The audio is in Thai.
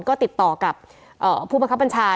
ก็ติดต่อกับผู้บังคับบัญชา